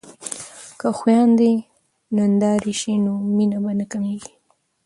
که خویندې نندرې شي نو مینه به نه کمیږي.